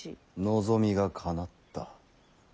望みがかなった。